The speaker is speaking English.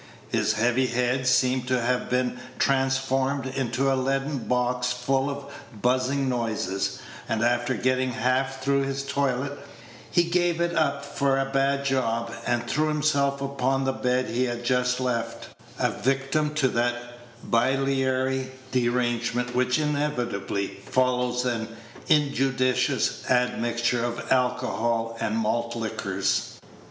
His heavy head seemed to have been transformed into a leaden box full of buzzing noises; and after getting half through his toilet, he gave it up for a bad job, and threw himself upon the bed he had just left, a victim to that biliary derangement which inevitably follows an injudicious admixture of alcoholic and malt liquors.